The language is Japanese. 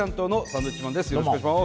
よろしくお願いします。